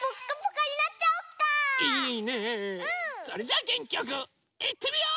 それじゃあげんきよくいってみよう！